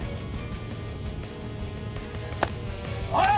おい！